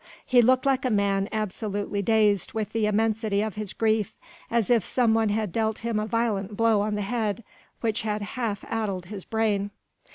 He looked like a man absolutely dazed with the immensity of his grief, as if some one had dealt him a violent blow on the head which had half addled his brain.